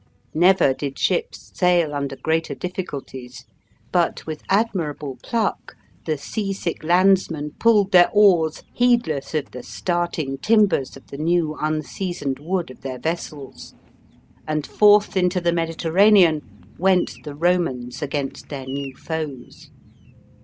Never did ships sail under greater difficulties. But with admirable pluck, the sea si^k landsmen pulled their oars, heedless of the starting timbers, of the new unseasoned wood of their vessels. And forth into the Mediterranean, went the Romans against their new foes.